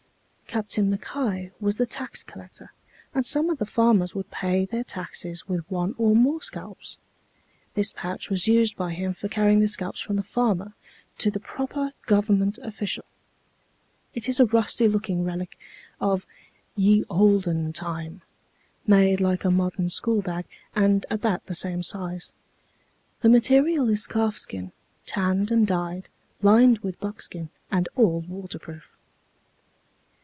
Captain Mackay was the tax collector, and some of the farmers would pay their taxes with one or more scalps. This pouch was used by him for carrying the scalps from the farmer to the proper Government official. It is a rusty looking relic of "ye olden time," made like a modern school bag, and about the same size. The material is calfskin, tanned and dyed, lined with buckskin, and all waterproof.